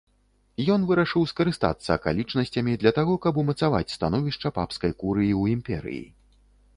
Ён вырашыў скарыстацца акалічнасцямі для таго, каб умацаваць становішча папскай курыі ў імперыі.